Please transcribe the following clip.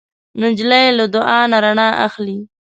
نجلۍ له دعا نه رڼا اخلي.